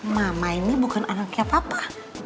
mama ini bukan anaknya papa